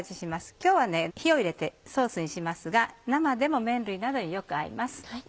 今日は火を入れてソースにしますが生でも麺類などによく合います。